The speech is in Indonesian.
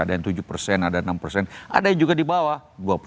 ada yang tujuh ada yang enam ada yang juga di bawah